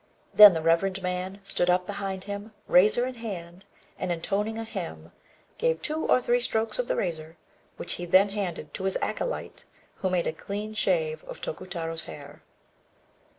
Then the reverend man stood up behind him, razor in hand, and, intoning a hymn, gave two or three strokes of the razor, which he then handed to his acolyte, who made a clean shave of Tokutarô's hair.